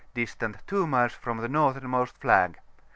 distant 2 miles from the northernmost flag.